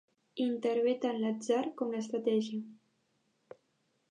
Hi intervé tant l'atzar com l'estratègia.